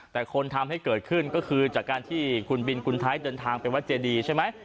แต่คนทำให้เกิดขึ้นก็คือจากการที่คุณบินคุณไทยเดินทางไปวัดเจดีใช่ไหม